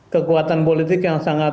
kekuatan politik yang sangat